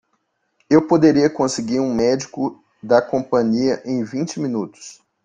Eu poderia conseguir um médico da companhia em vinte minutos.